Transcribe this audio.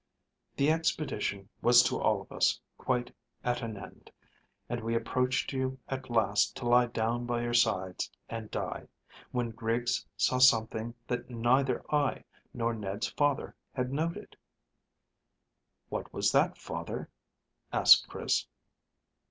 "The expedition was to all of us quite at an end, and we approached you at last to lie down by your sides and die, when Griggs saw something that neither I nor Ned's father had noted." "What was that, father?" asked Chris.